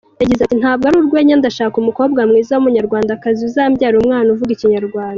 Yagize ati “Ntabwo ari urwenya, ndashaka umukobwa mwiza w’Umunyarwandakazi uzambyarira umwana uvuga Ikinyarwanda.